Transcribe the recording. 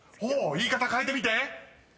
言い方変えてみて］